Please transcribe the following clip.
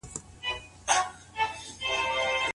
که هوا پاکه وي نو سږي نه جوړیږي.